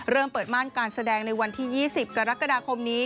เริ่มเปิดม่านการแสดงในวันที่๒๐กรกฎาคมนี้